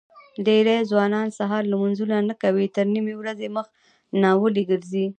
دېری ځوانان سهار لمنځونه نه کوي تر نیمې ورځې مخ ناولي ګرځي.